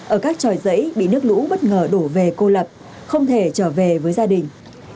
ở các tròi giấy bị nước lũ bất ngờ đổ về cô lập không thể trở về với gia đình